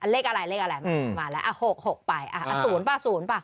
เลขอะไรมาแล้ว๖ไป๐ป่ะ๐ป่ะ